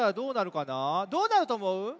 どうなるとおもう？